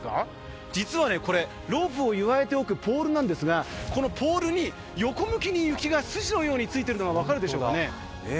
実はこれ、ロープを結わえておくポールなんですが、このポールに横向きに雪が、筋のようになっているのが分かるでしょうか。